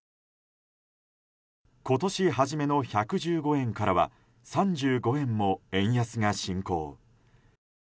今年初めの１１５円からは３５円も円安が進行。